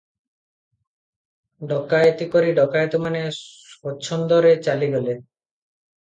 ଡକାଏତି କରି ଡକାଏତମାନେ ସ୍ୱଚ୍ଛନ୍ଦରେ ଚାଲିଗଲେ ।